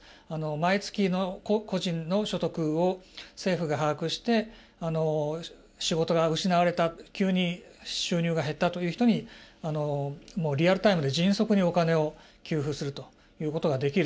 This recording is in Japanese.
毎月の個人の所得を政府が把握して仕事が失われた急に収入が減ったという人にリアルタイムで迅速にお金を給付するということができる。